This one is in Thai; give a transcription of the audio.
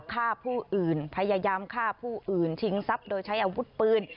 ฆ่าผู้อื่นพยายามฆ่าผู้อื่นชิงทรัพย์โดยใช้อาวุธปืน